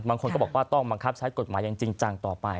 บางคนก็บอกว่าต้องบังคับใช้กฎหมายอย่างจริงจังต่อไป